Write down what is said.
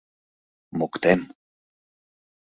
Моктем!..